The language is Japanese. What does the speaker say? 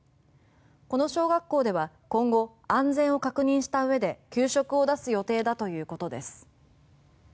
この小学校では今後、安全を確認したうえで給食を出す予定だということです。